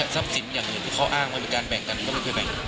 สับสินอย่างนี้เขาอ้างว่าเป็นการแบ่งกันแต่ก็ไม่เคยแบ่ง